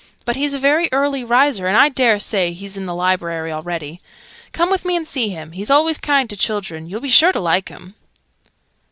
But he's a very early riser, and I dare say he's in the Library already. Come with me and see him. He's always kind to children. You'll be sure to like him."